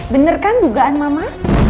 bener kan dugaan mama